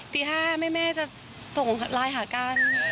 ตีห้าแม่จะโต้นไลน์หากั้น